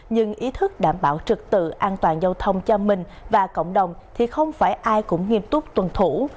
nhưng ý thức đảm bảo trực tự an toàn giao thông cho mình và cộng đồng thì không phải ai cũng nghiêm túc tuân thủ